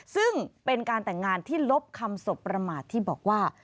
ซึ่งเป็นการแต่งงานที่ลบคำสบประมาทที่บอกว่า